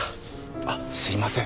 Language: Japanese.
あっすいません。